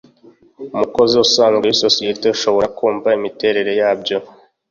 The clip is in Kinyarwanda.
umukozi usanzwe w’isosiyete ashobora kumva imiterere yabyo